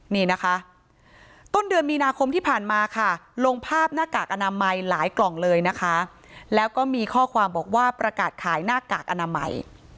นี่นะคะต้นเดือนมีนาคมที่ผ่านมาค่ะลงภาพหน้ากากอนามัยหลายกล่องเลยนะคะแล้วก็มีข้อความบอกว่าประกาศขายหน้ากากอนามัย